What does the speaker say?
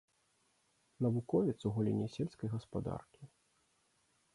Навуковец у галіне сельскай гаспадаркі.